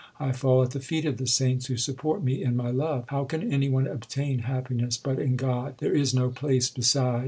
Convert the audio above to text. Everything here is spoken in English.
I fall at the feet of the saints who support me in my love. How can any one obtain happiness but in God ? there is no place beside.